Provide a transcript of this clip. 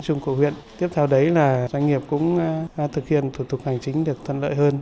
chung của huyện tiếp theo đấy là doanh nghiệp cũng thực hiện thủ tục hành chính được thuận lợi hơn